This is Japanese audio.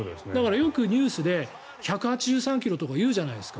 よくニュースで１８３ｋｍとか言うじゃないですか。